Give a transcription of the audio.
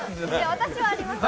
私はありますよ。